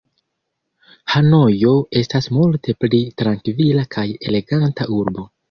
Hanojo estas multe pli trankvila kaj eleganta urbo.